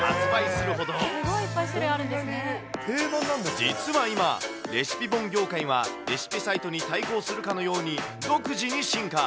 すごいいっぱい種類あるんで実は今、レシピ本業界は、レシピサイトに対抗するかのように、独自に進化。